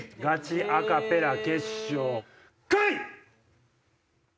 ガチアカペラ熱唱。